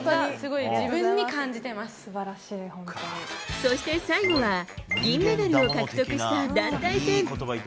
そして最後は銀メダルを獲得した団体戦。